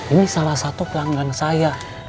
ini salah satu pelanggan saya